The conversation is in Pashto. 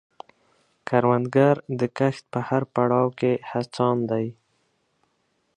کروندګر د کښت په هر پړاو کې هڅاند دی